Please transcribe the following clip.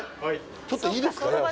はいちょっといいですか？